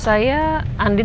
saya tak tahu